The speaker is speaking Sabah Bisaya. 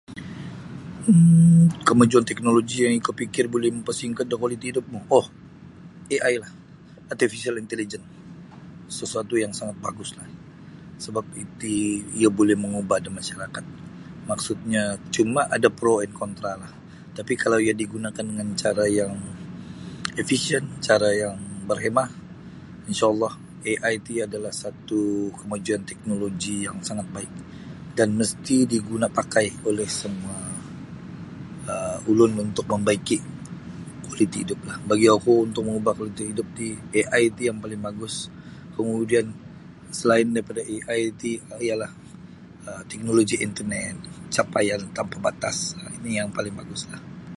um kemajuan teknoloji yang ikau pikir boleh mempersingkat da kualiti hidupmu, oh AI lah Artificial Intelijen. Sesuatu yang sangat bagus lah sebab iti iya buli mengubah da masyarakat maksudnya cuma ada pro and kontra lah tapi kalau iya digunakan dengan cara yang efisyen cara yang berhemah InshaAllah AI ti adalah satu kemajuan teknoloji yang sangat baik dan mesti diguna pakai oleh semua um ulun untuk membaiki kualiti hidup lah bagi oku untuk mengubah kualiti hidup ti AI ti yang paling bagus kemudian selain daripada AI ti ialah um teknoloji intenet capaian tanpa batas ini yang paling bagus lah.